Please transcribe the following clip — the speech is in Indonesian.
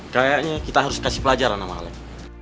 kayaknya kita harus kasih pelajaran sama alex